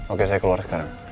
oke saya keluar sekarang